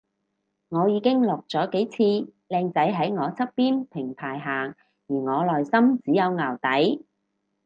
我已經落咗幾次，靚仔喺我側邊平排行而我內心只有淆底